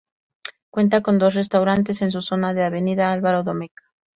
Cuenta con dos restaurantes en su zona de la avenida Álvaro Domecq.